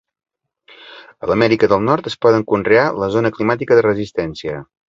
A l'Amèrica del Nord es poden conrear la zona climàtica de resistència.